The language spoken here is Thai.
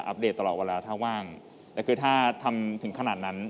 เดตตลอดเวลาถ้าว่างแต่คือถ้าทำถึงขนาดนั้น